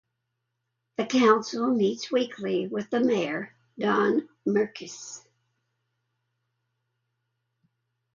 The council meets weekly with the mayor, Don Merkes.